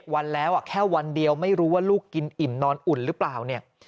วันแล้วแค่วันเดียวไม่รู้ว่าลูกกินอิ่มนอนอุ่นหรือเปล่าเนี่ย